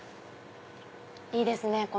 いいですね。